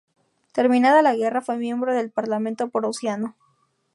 Terminada la guerra fue miembro del parlamento prusiano.